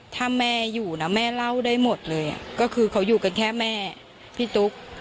ถ้าแม่อยู่นะแม่เล่าได้หมดเลยก็คือเขาอยู่กันแค่แม่พี่ตุ๊ก